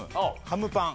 ハムパン。